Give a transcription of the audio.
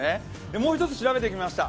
もう一つ調べてみました。